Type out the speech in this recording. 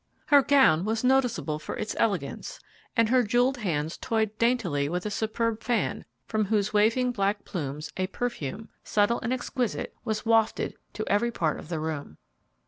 Her gown was noticeable for its elegance, and her jewelled hands toyed daintily with a superb fan, from whose waving black plumes a perfume, subtle and exquisite, was wafted to every part of the room.